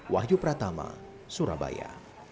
wahyu pratama surabaya